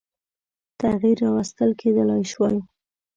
تغییر راوستل کېدلای شوای.